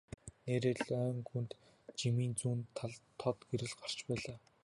Нээрээ л ойн гүнд жимийн зүүн талд тод гэрэл гарч байлаа.